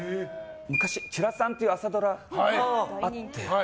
昔「ちゅらさん」っていう朝ドラがあって。